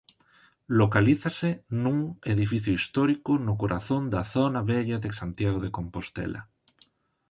Localízase nun edificio histórico no corazón da zona vella de Santiago de Compostela.